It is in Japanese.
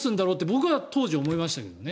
僕は当時思いましたけどね。